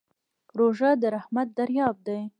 روژه د رحمت دریاب دی.